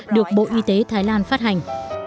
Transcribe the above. được bộ y tế thái lan phát hành